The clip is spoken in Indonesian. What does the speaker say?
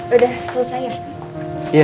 udah selesai ya